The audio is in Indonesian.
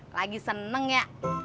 lagi seneng ya